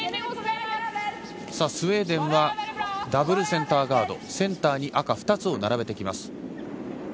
スウェーデンはダブルセンターガード、センターに赤２つを並べてきます。